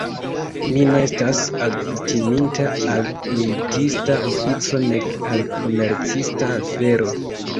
Mi ne estas alkutiminta al militista ofico nek al komercista afero.